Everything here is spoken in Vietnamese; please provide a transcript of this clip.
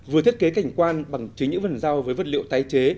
vừa thiết kế cảnh quan bằng chính những vần rau với vật liệu tái chế